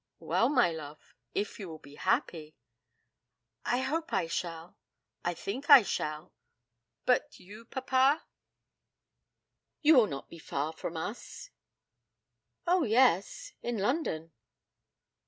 'Well, my love, if you will be happy ' 'I hope I shall; I think I shall. But you, papa?' 'You will not be far from us.' 'Oh, yes; in London.'